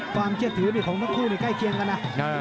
ความเชื่อถือของทั้งคู่ใกล้เคียงกันนะ